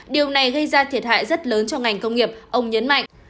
điều này gây ra thiệt hại rất lớn cho ngành công nghiệp ông nhấn mạnh